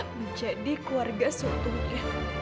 menjadi keluarga seutuhnya